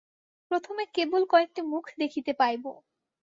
প্রথমে কেবল কয়েকটি মুখ দেখিতে পাইব।